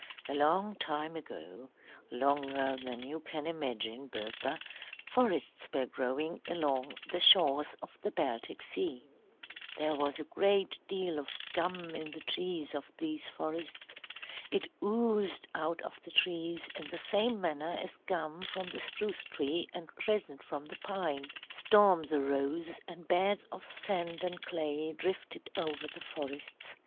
"A long time ago, longer than you can imagine, Bertha, forests were growing along the shores of the Baltic Sea. There was a great deal of gum in the trees of these forests. It oozed out of the trees in the same manner as gum from the spruce tree and resin from the pine. "Storms arose, and beds of sand and clay drifted over the forests.